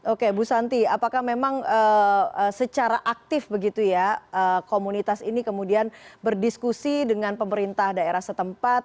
oke bu santi apakah memang secara aktif begitu ya komunitas ini kemudian berdiskusi dengan pemerintah daerah setempat